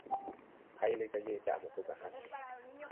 Hayle ga yeʼ daʼ mo po ga has.